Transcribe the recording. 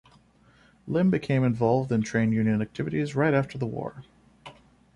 Lim became involved in trade union activities right after the war.